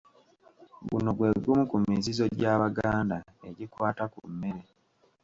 Guno gwe gumu ku mizizo gy'Abaganda egikwata ku mmere.